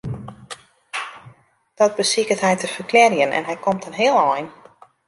Dat besiket hy te ferklearjen en hy komt in heel ein.